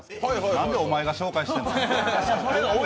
なんでお前が紹介してんの？